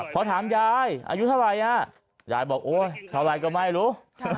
พอถามยายอายุเท่าไหร่ยายบอกโอ๊ยเท่าไรก็ไม่รู้